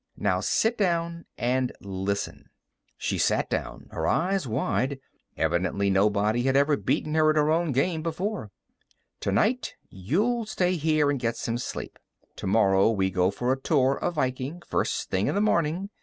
Now, sit down and listen." She sat down, her eyes wide. Evidently, nobody had ever beaten her at her own game before. "Tonight, you'll stay here and get some sleep. Tomorrow, we go for a tour of Viking, first thing in the morning.